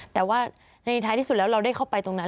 แต่ว่าในท้ายที่สุดแล้วเราได้เข้าไปตรงนั้น